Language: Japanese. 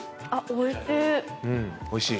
おいしい？